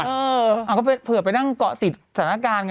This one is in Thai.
ไปทำไมเผื่อไปนั่งเกาะติดสถานการณ์